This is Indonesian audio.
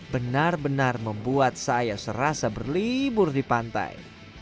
benar benar membuat saya serasa berlibur di pantai